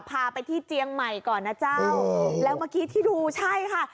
พาไปที่เจียงใหม่ก่อนนะเจ้าแล้วเมื่อกี้ที่ดูใช่ค่ะ